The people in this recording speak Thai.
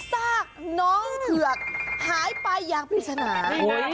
ซากน้องเผือกหายไปอย่างปริศนา